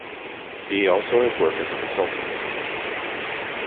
He also has worked as a consultant.